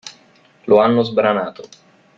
Lo hanno sbranato.